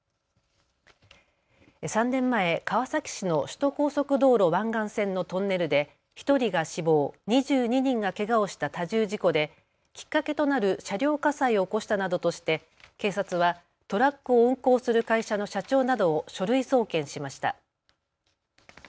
３年前、川崎市の首都高速道路・湾岸線のトンネルで１人が死亡、２２人がけがをした多重事故できっかけとなる車両火災を起こしたなどとして警察はトラックを運行する会社の社長などを書類送検しました。